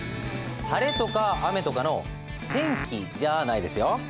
晴れとか雨とかの天気じゃないですよ。